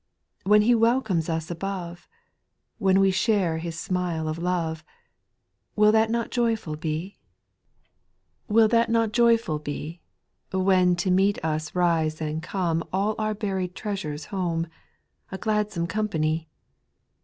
When He welcomes us above, When we share His smile of love, Will that not joyful be ? 284 SPIRITUAL SONOS. 2. Will that not joyful be, When to meet us rise and come All our buried treasures home, A gladsome company